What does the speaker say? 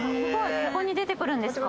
ここに出てくるんですか？